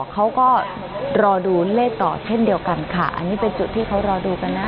เขาก็รอดูเลขต่อเช่นเดียวกันค่ะอันนี้เป็นจุดที่เขารอดูกันนะ